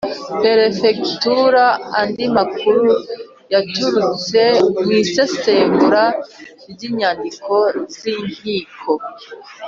Perefegitura Andi makuru yaturutse mu isesengura ry Inyandiko z Inkiko